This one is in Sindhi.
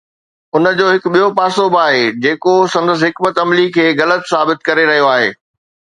ان جو هڪ ٻيو پاسو به آهي جيڪو سندس حڪمت عملي کي غلط ثابت ڪري رهيو آهي.